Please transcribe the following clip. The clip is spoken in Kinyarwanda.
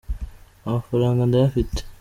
amafaranga ndayafite